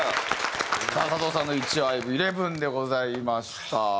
さあ佐藤さんの１位はＩＶＥ『ＥＬＥＶＥＮ』でございました。